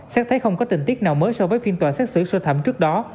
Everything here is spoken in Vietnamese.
xét thấy không có tình tiết nào mới so với phiên tòa xét xử sơ thẩm trước đó